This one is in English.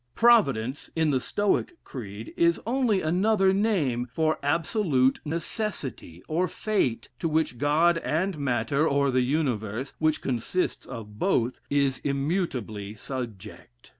Providence, in the Stoic creed, is only another name for absolute necessity, or fate, to which God and matter, or the universe, which consists of both, is immutably subject.